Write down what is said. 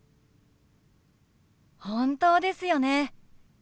本当ですよね。